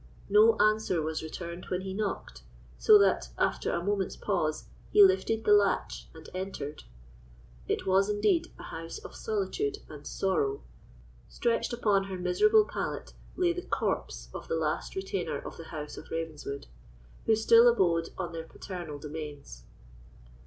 No answer was returned when he knocked, so that, after a moment's pause, he lifted the latch and entered. It was indeed a house of solitude and sorrow. Stretched upon her miserable pallet lay the corpse of the last retainer of the house of Ravenswood who still abode on their paternal domains!